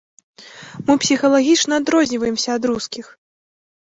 Мы псіхалагічна адрозніваемся ад рускіх!